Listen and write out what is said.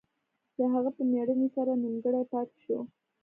د هغه په مړینې سره نیمګړی پاتې شو.